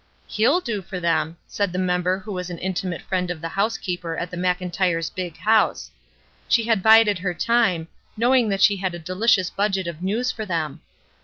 ''He'll do for them," said the member who was an intimate friend of the housekeeper at the Mclntyres' 'big house.' She had bided her time, knowing that she had a dehcious budget of news for them.